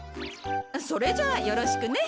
それじゃあよろしくね。